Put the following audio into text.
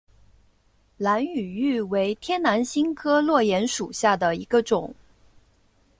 兰屿芋为天南星科落檐属下的一个种。